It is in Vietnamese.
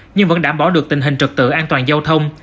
nhưng vẫn đảm bảo được tình hình trực tự an toàn giao thông